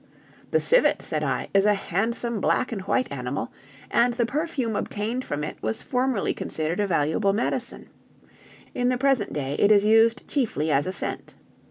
"The civet," said I, "is a handsome black and white animal, and the perfume obtained from it was formerly considered a valuable medicine; in the present day it is used chiefly as a scent.